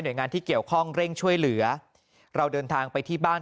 โดยงานที่เกี่ยวข้องเร่งช่วยเหลือเราเดินทางไปที่บ้าน